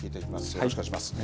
よろしくお願いします。